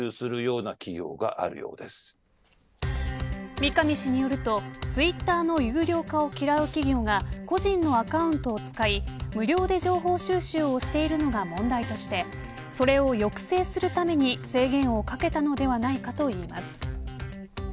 三上氏によるとツイッターの有料化を嫌う企業が個人のアカウントを使い、無料で情報収集をしているのが問題としてそれを抑制するために制限をかけたのではないかといいます。